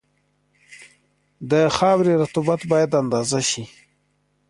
د خاورې رطوبت باید اندازه شي